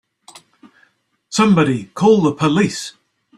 Somebody call the police!